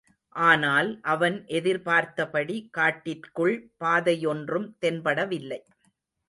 ஆனால், அவன் எதிர்பார்த்தபடி காட்டிற்குள் பாதையொன்றும் தென்படவில்லை.